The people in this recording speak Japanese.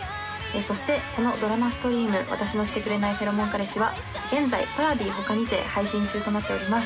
そしてこのドラマストリーム「私のシてくれないフェロモン彼氏」は現在Ｐａｒａｖｉ他にて配信中となっております